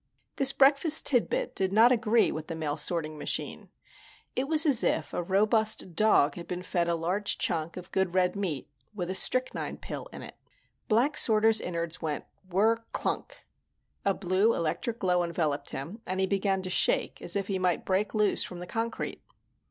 This breakfast tidbit did not agree with the mail sorting machine. It was as if a robust dog had been fed a large chunk of good red meat with a strychnine pill in it. Black Sorter's innards went whirr klunk, a blue electric glow enveloped him, and he began to shake as if he might break loose from the concrete.